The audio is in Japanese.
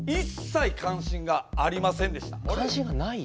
関心がない？